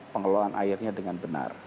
pengelolaan airnya dengan benar